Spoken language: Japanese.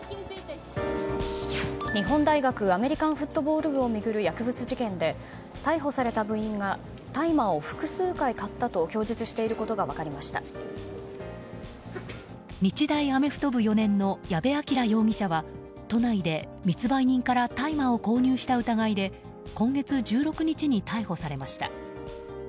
日本大学アメリカンフットボール部を巡る薬物事件で逮捕された部員が大麻を複数回買ったと日大アメフト部４年の矢部鑑羅容疑者は都内で密売人から大麻を購入した疑いで今月１６日に逮捕されました。